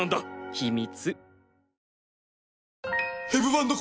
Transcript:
⁉秘密。